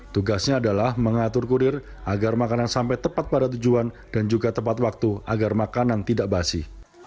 tugasnya adalah mengatur kurir agar makanan sampai tepat pada tujuan dan juga tepat waktu agar makanan tidak basi